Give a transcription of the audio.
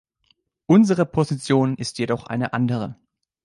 Unsere Position ist jedoch eine andere.